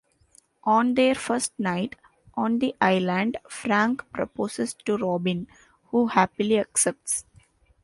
On their first night on the island, Frank proposes to Robin, who happily accepts.